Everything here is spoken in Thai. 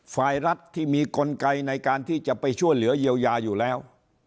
ฝ่ายรัฐที่มีกลไกในการที่จะไปช่วยเหลือเยียวยาอยู่แล้ว